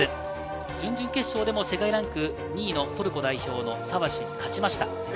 準々決勝でも世界ランク２位のトルコ代表のサワシュに勝ちました。